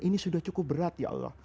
ini sudah cukup berat ya allah